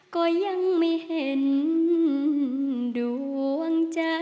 ก็ยังไม่เห็นดวงใจ